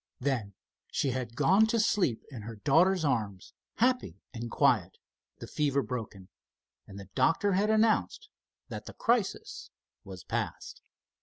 Then she had gone to sleep in her daughter's arms, happy and quiet, the fever broken; and the doctor had announced that the crisis was past.